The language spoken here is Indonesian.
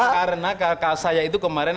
karena kakak saya itu kemarin